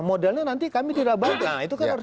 modalnya nanti kami tidak bakal nah itu kan harus